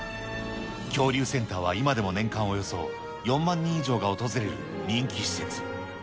恐竜センターは今でも年間およそ４万人以上が訪れる人気施設。